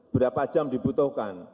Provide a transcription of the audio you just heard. berapa jam dibutuhkan